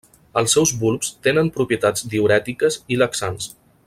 Els seus bulbs tenen propietats diürètiques i laxants.